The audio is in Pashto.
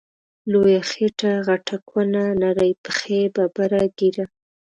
لويه خيټه غټه کونه، نرۍ پښی ببره ږيره